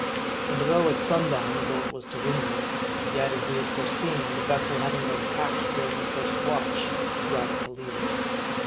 And though at sundown the boat was to windward, yet, as we had foreseen, the ves sel having been tacked during the first watch, brought it to leeward.